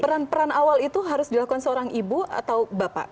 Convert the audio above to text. peran peran awal itu harus dilakukan seorang ibu atau bapak